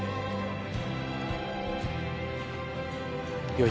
よい